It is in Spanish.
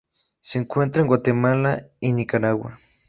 Se encuentra en Guatemala y Nicaragua.